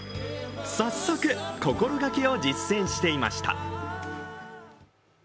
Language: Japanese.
早速、心がけを実践していました。